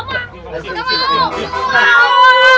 gak mau gak mau